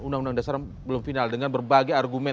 undang undang dasar belum final dengan berbagai argumen